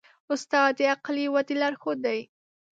استاد د عقلي ودې لارښود دی.